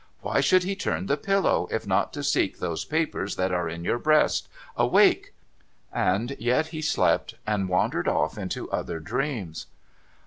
Why should he turn the pillow, if not to seek those papers that are in your breast ? Awake !' And yet he slept, and wandered off into other dreams.